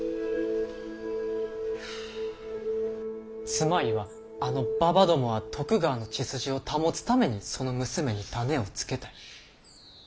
つまりはあのババどもは徳川の血筋を保つためにその娘に種をつけたい。